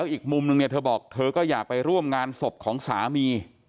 อีกมุมนึงเนี่ยเธอบอกเธอก็อยากไปร่วมงานศพของสามี